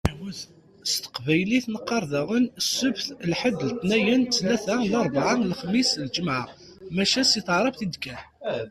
S teqbaylit neqqaṛ daɣen: Sebt, lḥed, letniyen, ttlata, larbɛa, lexmis, lǧemɛa. Maca si taɛrabt i d-kkan.